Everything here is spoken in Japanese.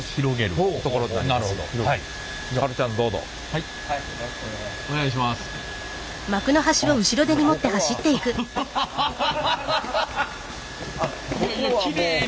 いやいやきれいに。